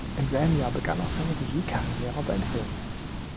Im selben Jahr begann auch seine Regiekarriere beim Film.